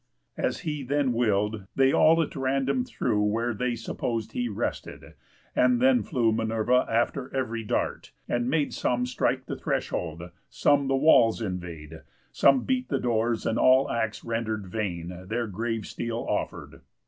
As he then will'd, they all at random threw Where they suppos'd he rested; and then flew Minerva after ev'ry dart, and made Some strike the threshold, some the walls invade, Some beat the doors, and all acts render'd vain Their grave steel offer'd.